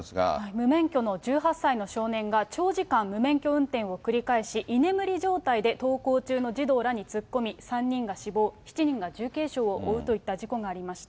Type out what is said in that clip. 無免許の１８歳の少年が、長時間無免許運転を繰り返し、居眠り状態で登校中の児童らに突っ込み、３人が死亡、７人が重軽傷を負うといった事故がありました。